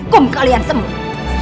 aku menghukum kalian semua